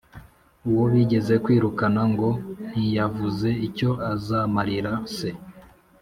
uwo bigeze kwirukana ngo ntiyavuze icyo azamarira se